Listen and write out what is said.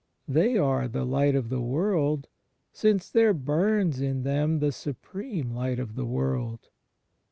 They are "the light of the world," ^ since there bums in them the Supreme Light of the world.